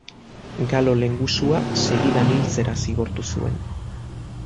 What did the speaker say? Galo lehengusua segidan hiltzera zigortu zuen.